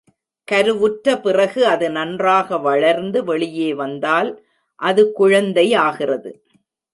கருவுற்ற பிறகு அது நன்றாக வளர்ந்து வெளியே வந்தால் அது குழந்தை ஆகிறது.